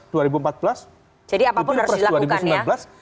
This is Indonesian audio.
jadi apapun harus dilakukan ya